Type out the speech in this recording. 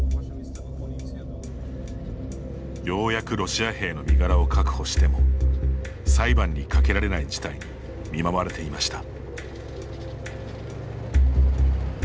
ようやくロシア兵の身柄を確保しても裁判にかけられない事態に見舞われていました。